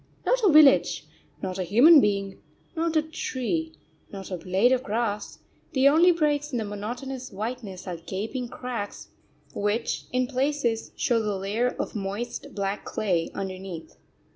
Not a village, not a human being, not a tree, not a blade of grass the only breaks in the monotonous whiteness are gaping cracks which in places show the layer of moist, black clay underneath.